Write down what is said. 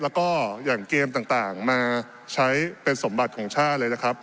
แล้วก็อย่างเกมต่างมาใช้เป็นสมบัติของชาติเลยนะครับ